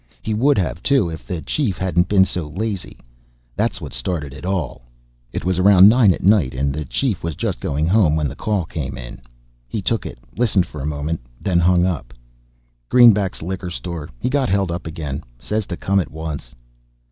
He would have too if the Chief hadn't been so lazy. That's what started it all. It was around nine at night and the Chief was just going home when the call came in. He took it, listened for a moment, then hung up. "Greenback's liquor store. He got held up again. Says to come at once."